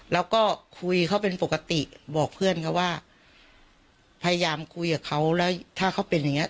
แล้วก็คุยเขาเป็นปกติบอกเพื่อนเขาว่าพยายามคุยกับเขาแล้วถ้าเขาเป็นอย่างเงี้